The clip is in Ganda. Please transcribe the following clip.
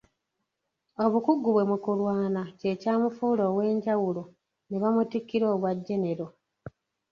Obukugu bwe mu kulwana kye kyamufuula ow'enjawulo ne bamutikkira obwa genero.